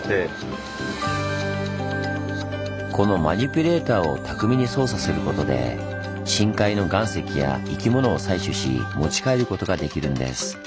このマニピュレーターを巧みに操作することで深海の岩石や生き物を採取し持ち帰ることができるんです。